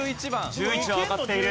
１１はわかっている。